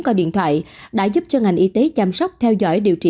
qua điện thoại đã giúp cho ngành y tế chăm sóc theo dõi điều trị